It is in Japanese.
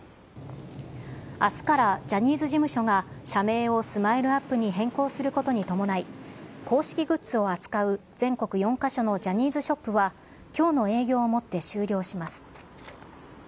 あすからジャニーズ事務所が社名をスマイルアップに変更することに伴い、公式グッズを扱う全国４か所のジャニーズショップは、きょうの営業をもって終了します。